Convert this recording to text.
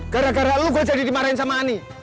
gara gara lu gue jadi dimarahin sama ani